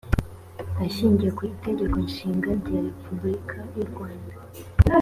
ashingiye ku itegeko nshinga rya repubulika y u rwanda